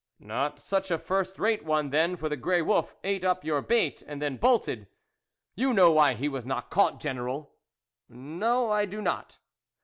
" Not such a first rate one, then, for the grey wolf ate up your bait, and then bolted." " You know why he was not caught, General." " No, I do not."